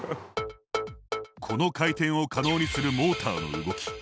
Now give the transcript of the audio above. この回転を可能にするモーターの動き。